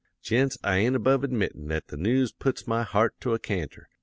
"'Gents, I ain't above admittin' that the news puts my heart to a canter.